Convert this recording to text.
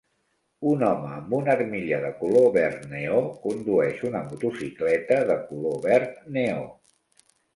Un home amb una armilla de color verd neó condueix una motocicleta de color verd neó.